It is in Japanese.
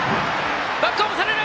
バックホームされる！